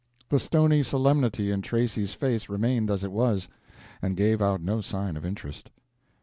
The stony solemnity in Tracy's face remained as it was, and gave out no sign of interest.